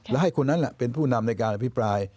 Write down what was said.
และให้คนนั้นเป็นผู้นำในการอภิปราย